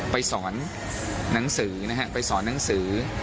ไปสอนหนังสือนะฮะไปสอนหนังสือ